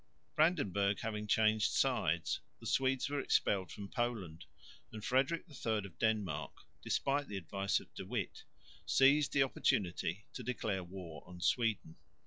Brandenburg having changed sides, the Swedes were expelled from Poland; and Frederick III of Denmark, despite the advice of De Witt, seized the opportunity to declare war on Sweden.